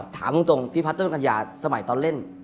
ถามตรงพี่พัตเตอร์กัญญาสมัยตอนเล่น